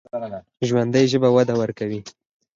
ژوندي ژبه وده ورکوي